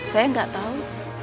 saya nggak tahu